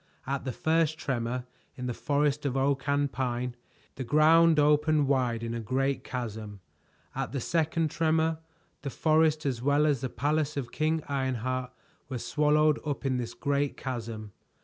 At the first tremor, in the forest of oak and pine, the ground opened wide in a great chasm. At the second tremor, the forest as well as the palace of King Ironheart were swallowed up in this great chasm.